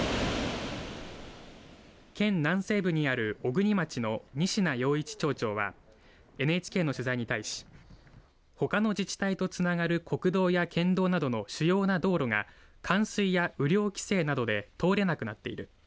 県南西部にある小国町の仁科洋一町長はＮＨＫの取材に対し、ほかの自治体とつながる国道や県道などの主要な道路が冠水や雨量規制などで通れなくなっている。